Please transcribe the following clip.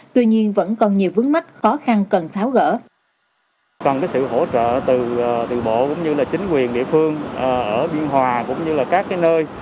tuy nhiên vẫn còn nhiều vướng mắt khó khăn cần tháo gỡ